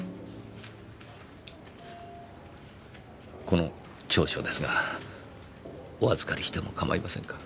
この調書ですがお預かりしてもかまいませんか？